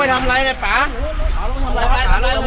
วันนี้เราจะมาจอดรถที่แรงละเห็นเป็น